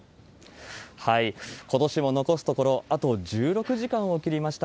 ことしも残すところ、あと１６時間を切りました。